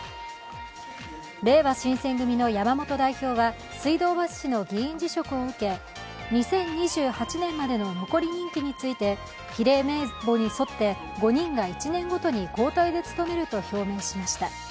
れいわ新選組の山本代表は水道橋氏の議員辞職を受け２０２８年までの残り任期について比例名簿に沿って５人が１年ごとに交代で務めると表明しました。